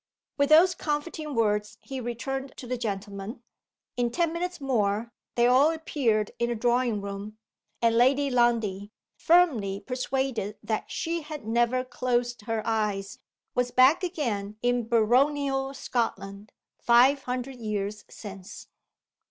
With those comforting words he returned to the gentlemen. In ten minutes more they all appeared in the drawing room; and Lady Lundie (firmly persuaded that she had never closed her eyes) was back again in baronial Scotland five hundred years since.